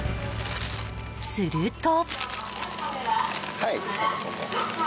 すると。